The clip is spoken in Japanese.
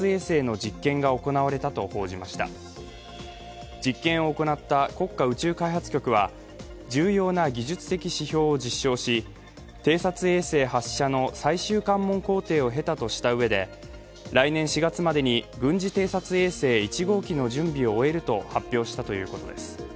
実験を行った国家宇宙開発局は重要な技術的指標を実証し偵察衛星発射の最終関門工程を経たとしたうえで、来年４月までに軍事偵察衛星１号機の準備を終えると発表したということです。